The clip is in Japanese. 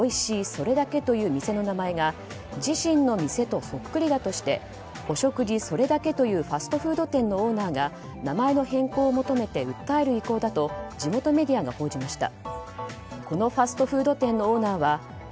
それだけ」という店の名前が自身の店とそっくりだとして「お食事。それだけ」というファストフード店のオーナーが名前の変更を求めて訴える意向だと地元メディアが報じました。